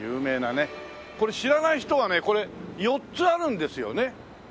これ知らない人はねこれ４つあるんですよね。